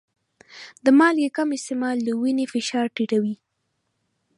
د مالګې کم استعمال د وینې فشار ټیټوي.